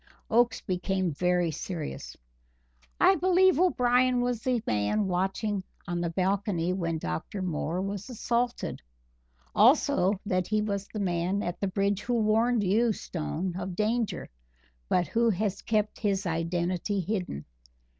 Oakes became very serious. "I believe O'Brien was the man watching on the balcony when Dr. Moore was assaulted; also that he was the man at the bridge who warned you, Stone, of danger, but who has kept his identity hidden.